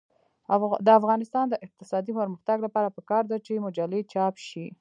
د افغانستان د اقتصادي پرمختګ لپاره پکار ده چې مجلې چاپ شي.